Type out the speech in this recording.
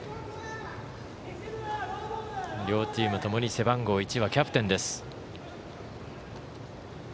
両チームともに背番号１はキャプテンです。